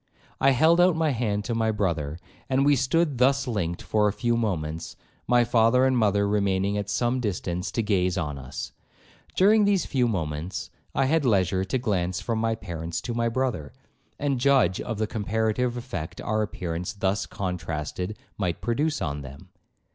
I held out my hand to my brother, and we stood thus linked for a few moments, my father and mother remaining at some distance to gaze on us; during these few moments, I had leisure to glance from my parents to my brother, and judge of the comparative effect our appearance thus contrasted might produce on them.